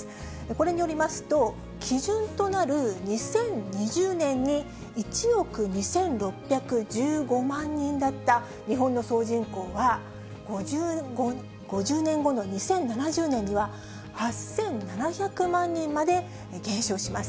これによりますと、基準となる２０２０年に１億２６１５万人だった日本の総人口は５０年後の２０７０年には、８７００万人まで減少します。